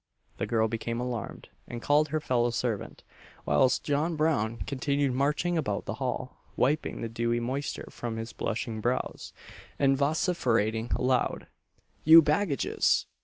The girl became alarmed, and called her fellow servant; whilst John Brown continued marching about the hall, wiping the dewy moisture from his blushing brows, and vociferating aloud, "You baggages!